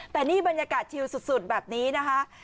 แต่นี่บรรยากาศชิลสุดแบบนี้นะคะ